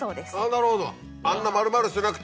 なるほど！